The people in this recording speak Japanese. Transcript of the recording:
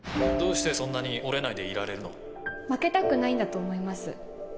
どうしてそんなに折れないでいられる負けたくないんだと思います